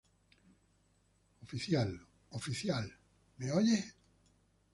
¡ oficial! ¡ oficial! ¿ me oye?